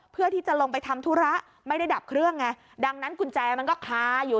เพื่อที่จะลงไปทำธุระไม่ได้ดับเครื่องไงดังนั้นกุญแจมันก็คาอยู่